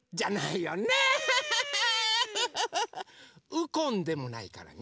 「ウコン」でもないからね。